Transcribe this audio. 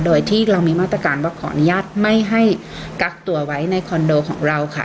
โดยที่เรามีมาตรการว่าขออนุญาตไม่ให้กักตัวไว้ในคอนโดของเราค่ะ